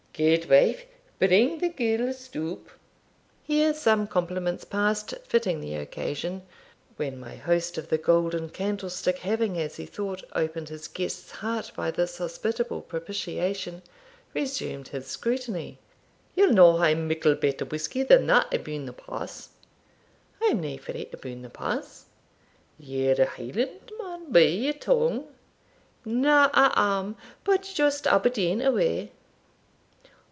'Gudewife, bring the gill stoup.' Here some compliments passed fitting the occasion, when my host of the Golden Candlestick, having, as he thought, opened his guest's heart by this hospitable propitiation, resumed his scrutiny. 'Ye'll no hae mickle better whisky than that aboon the Pass?' 'I am nae frae aboon the Pass.' 'Ye're a Highlandman by your tongue?' 'Na; I am but just Aberdeen a way.'